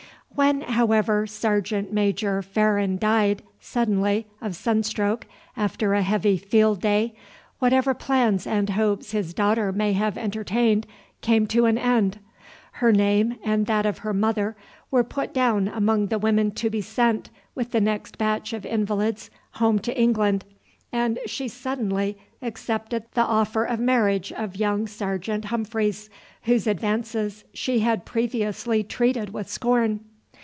When, however, Sergeant major Farran died suddenly of sunstroke after a heavy field day, whatever plans and hopes his daughter may have entertained came to an end. Her name and that of her mother were put down among the women to be sent, with the next batch of invalids, home to England, and she suddenly accepted the offer of marriage of young Sergeant Humphreys, whose advances she had previously treated with scorn.